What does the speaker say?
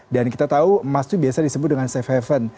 dan kita tahu emas itu biasa disebut dengan safe haven